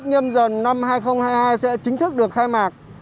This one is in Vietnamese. nhâm dần năm hai nghìn hai mươi hai sẽ chính thức được khai mạc